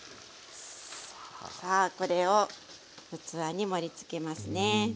さあこれを器に盛りつけますね。